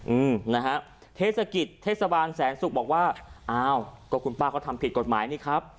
อืมนะฮะเทศกิจเทศบาลแสนศุกร์บอกว่าอ้าวก็คุณป้าเขาทำผิดกฎหมายนี่ครับ